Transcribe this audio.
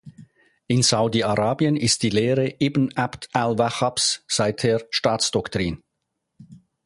In Saudi-Arabien ist die Lehre Ibn Abd al-Wahhabs seither Staatsdoktrin.